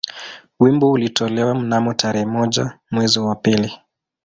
Wimbo ulitolewa mnamo tarehe moja mwezi wa pili